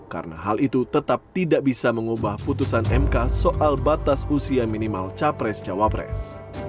karena hal itu tetap tidak bisa mengubah putusan mk soal batas usia minimal capres cawapres